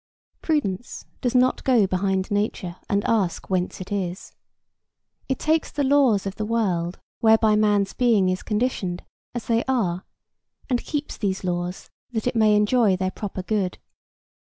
Prudence does not go behind nature and ask whence it is. It takes the laws of the world whereby man's being is conditioned, as they are, and keeps these laws that it may enjoy their proper good.